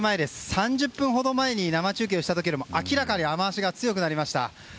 ３０分ほど前に生中継をした時よりも明らかに雨脚が強くなりました。